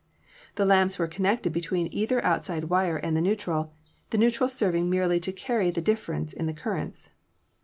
The lamps were connected between either outside wire and the neutral, the neutral serving merely to carry the difference in the currents.